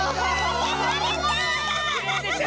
きれいでしょ！